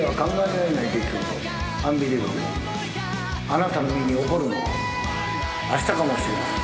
あなたの身に起こるのはあしたかもしれません。